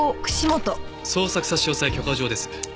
捜索差押許可状です。